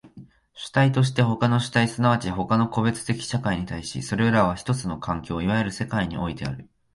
主体として他の主体即ち他の個別的社会に対し、それらは一つの環境、いわゆる世界においてある。